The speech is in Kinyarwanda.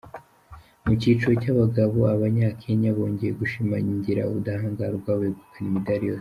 Mu cyiciro cy’abagabo, abanya Kenya bongeye gushimangira ubudahangarwa begukana imidali yose.